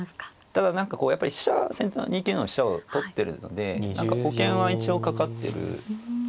ただ何かこうやっぱり飛車先手の２九の飛車を取ってるので保険は一応掛かってる。